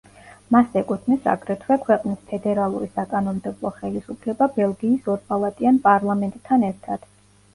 მას ეკუთვნის, აგრეთვე, ქვეყნის ფედერალური საკანონმდებლო ხელისუფლება ბელგიის ორპალატიან პარლამენტთან ერთად.